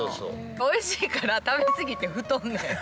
おいしいから食べ過ぎて太んねん。